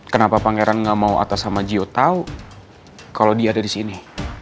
kenapa pangeran gak mau ata sama gio tau kalo dia ada disini